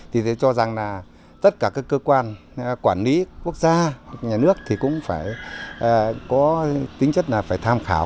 thì tôi cho rằng là tất cả các cơ quan quản lý quốc gia nhà nước thì cũng phải có tính chất là phải tham khảo